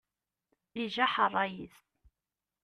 Ijaḥ ṛṛay-is.